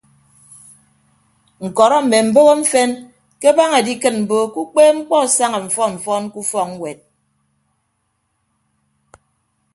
Ñkọrọ mme mboho mfen ke abaña edikịt mbo ke ukpeepmkpọ asaña mfọn mfọn ke ufọkñwet.